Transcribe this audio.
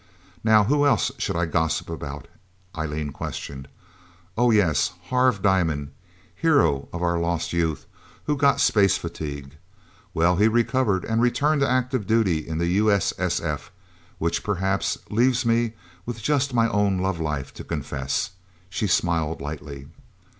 "Now who else should I gossip about?" Eileen questioned. "Oh, yes Harv Diamond, hero of our lost youth, who got space fatigue. Well, he recovered and returned to active duty in the U.S.S.F. Which perhaps leaves me with just my own love life to confess." She smiled lightly.